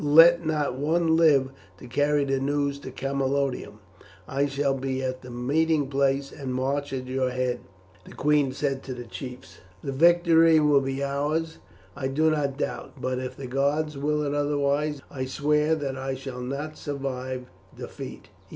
Let not one live to carry the news to Camalodunum." "I shall be at the meeting place and march at your head," the queen said to the chiefs; "that victory will be ours I do not doubt; but if the gods will it otherwise I swear that I shall not survive defeat.